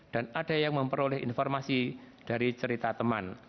dan ada yang memperoleh informasi dari cerita teman